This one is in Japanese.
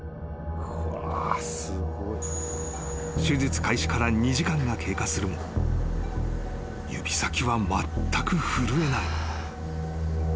［手術開始から２時間が経過するも指先はまったく震えない］